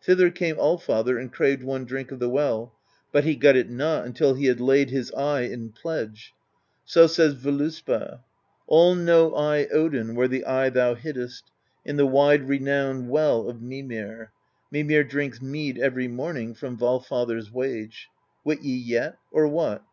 Thither came Allfather and craved one drink of the well; but he got it not until he had laid his eye in pledge. So says Voluspa: All know I, Odin, where the eye thou hiddest, In the wide renowned well of Mimir; Mimir drinks mead every morning From Valfather's wage. Wit ye yet, or what?